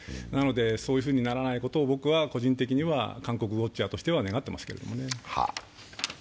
なのでそういうふうにならないことを僕は個人的には韓国ウォッチャーとしては願っていますけどね。